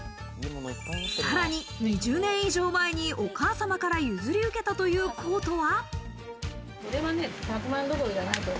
さらに２０年以上前にお母様から譲り受けたというコートは。